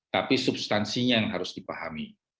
tapi substansinya yang harus dipahami